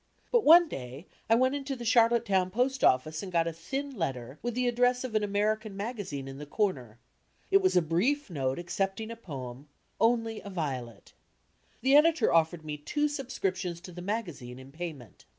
But one day I went into the Charlottetown post office and got a thin tetter with the address of an American magazine in the comer. In it was a brief note accepting a poem, "Only a Violet." The editor offered me two subscriptions to the magazine in payment.